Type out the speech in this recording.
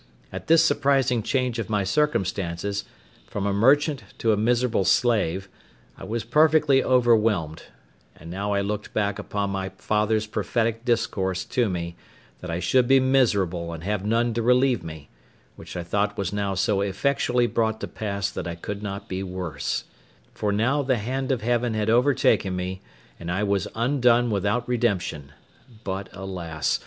At this surprising change of my circumstances, from a merchant to a miserable slave, I was perfectly overwhelmed; and now I looked back upon my father's prophetic discourse to me, that I should be miserable and have none to relieve me, which I thought was now so effectually brought to pass that I could not be worse; for now the hand of Heaven had overtaken me, and I was undone without redemption; but, alas!